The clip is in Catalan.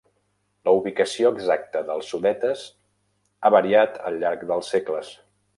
La ubicació exacta dels Sudetes ha variat al llarg dels segles.